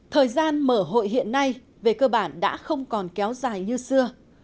thời gian mở hội hiện nay về cơ bản đã không còn kéo dài như xưa